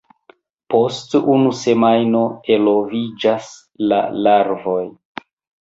Post unu semajno eloviĝas la larvoj.